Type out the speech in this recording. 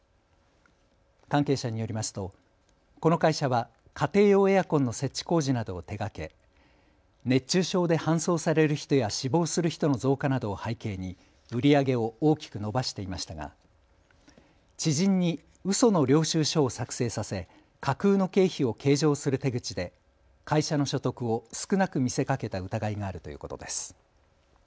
関係者によりますとこの会社は家庭用エアコンの設置工事などを手がけ、熱中症で搬送される人や死亡する人の増加などを背景に売り上げを大きく伸ばしていましたが知人にうその領収証を作成させ架空の経費を計上する手口で会社の所得を少なく見せかけた疑いがあるということです。